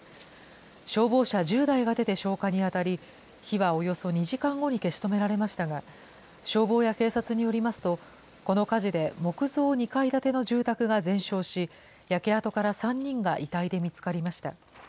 消防車１０台が出て消火に当たり、火はおよそ２時間後に消し止められましたが、消防や警察によりますと、この火事で木造２階建ての住宅が全焼し、焼け跡から３人が遺体で見つかりました。